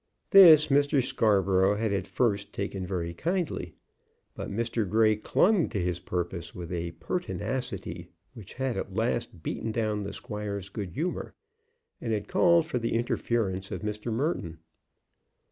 This Mr. Scarborough had at first taken very kindly; but Mr. Grey clung to his purpose with a pertinacity which had at last beaten down the squire's good humor, and had called for the interference of Mr. Merton.